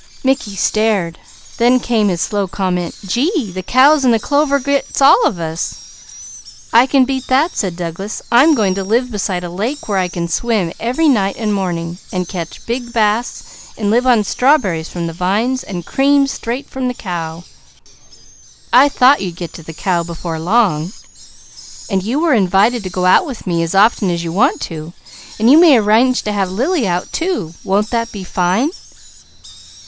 Mickey stared. Then came his slow comment: "Gee! The cows an' the clover gets all of us!" "I can beat that," said Douglas. "I'm going to live beside a lake where I can swim every night and morning, and catch big bass, and live on strawberries from the vines and cream straight from the cow " "I thought you'd get to the cow before long." "And you are invited to go out with me as often as you want to, and you may arrange to have Lily out too! Won't that be fine?"